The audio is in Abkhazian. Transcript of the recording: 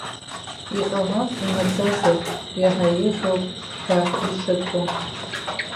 Иҟалап имаӡазар иаҳа еиӷьуп ҳәа ишьатәу.